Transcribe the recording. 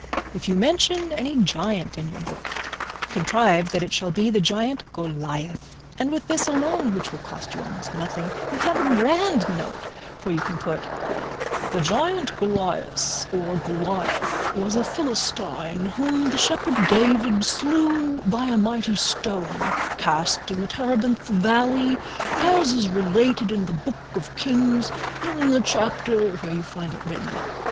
If you mention any giant in your book contrive that it shall be the giant Goliath, and with this alone, which will cost you almost nothing, you have a grand note, for you can put The giant Golias or Goliath was a Philistine whom the shepherd David slew by a mighty stone cast in the Terebinth valley, as is related in the Book of Kings in the chapter where you find it written.